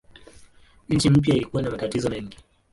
Nchi mpya ilikuwa na matatizo mengi.